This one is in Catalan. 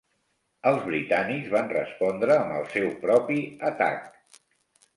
Els britànics van respondre amb el seu propi atac.